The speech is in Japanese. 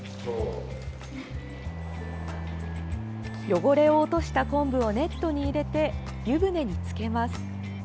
汚れを落としたこんぶをネットに入れて湯船につけます。